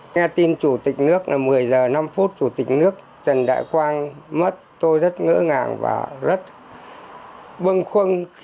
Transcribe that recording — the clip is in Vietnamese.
nghe tin chủ tịch nước là một mươi h năm chủ tịch nước trần đại quang mất tôi rất ngỡ ngàng và rất bưng khuâng